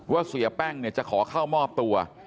ว่าเสียแป้งเนี่ยจะขอเข้ามอบตัว